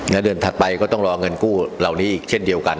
และเดือนถัดไปก็ต้องรอเงินกู้เหล่านี้อีกเช่นเดียวกัน